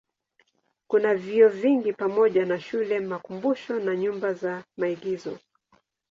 Kuna vyuo vingi pamoja na shule, makumbusho na nyumba za maigizo.